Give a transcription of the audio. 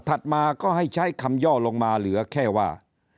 มาก็ให้ใช้คำย่อลงมาเหลือแค่ว่า